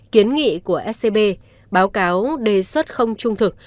kiến nghị của scb báo cáo đề xuất không trung thực